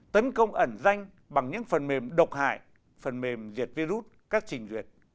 tấn công ẩn danh bằng những phần mềm độc hại phần mềm diệt virus các trình duyệt